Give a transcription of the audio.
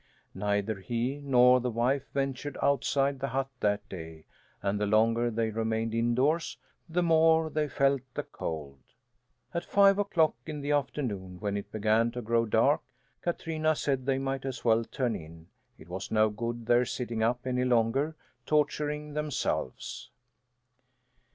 Neither he nor the wife ventured outside the hut that day, and the longer they remained indoors the more they felt the cold. At five o'clock in the afternoon, when it began to grow dark, Katrina said they might as well "turn in"; it was no good their sitting up any longer, torturing themselves.